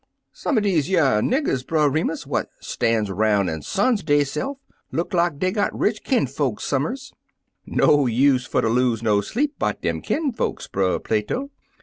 " Some er dese ycr niggers, Brer Remus, what Stan's 'roun' an' suns de3rse'f look lak dat dey got rich kinfolks some'rs/' "No use fer ter lose no sleep 'bout dem kinfolks, Brer Plato.